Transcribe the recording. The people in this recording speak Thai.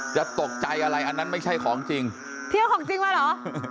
จะตกใจอะไรอันนั้นไม่ใช่ของจริงเที่ยวของจริงมาเหรอ